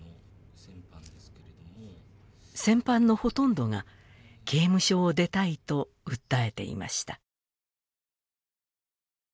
戦犯のほとんどが刑務所を出たいと訴えていました。